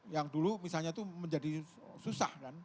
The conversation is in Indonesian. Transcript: yang dulu misalnya itu menjadi susah kan